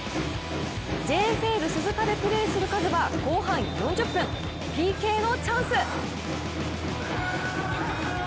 ＪＦＬ鈴鹿でプレーするカズは後半４０分、ＰＫのチャンス！